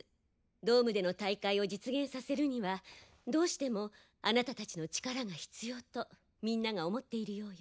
ドームでの大会を実現させるにはどうしてもあなたたちの力が必要とみんなが思っているようよ。